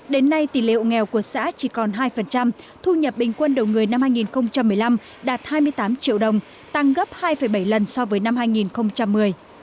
đến nay tỷ lệ hộ nghèo của xã chỉ còn hai thu nhập bình quân đầu người năm hai nghìn một mươi năm đạt hai mươi tám triệu đồng tăng gấp hai bảy lần so với năm hai nghìn một mươi